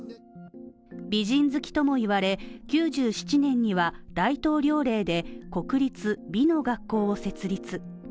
美人好きともいわれ９７年には大統領令で国立美の学校を設立。